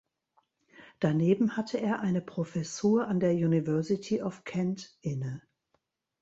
Daneben hatte er eine Professur an der University of Kent inne.